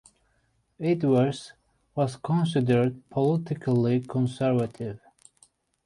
Edwards was considered politically conservative.